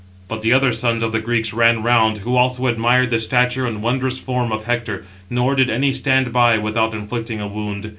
But the other sons of the Greeks ran round, who also admired the stature and wondrous form, of Hector; 712 nor did any stand by without inflicting a wound.